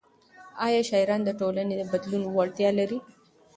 ايا شاعران د ټولنې د بدلون وړتیا لري؟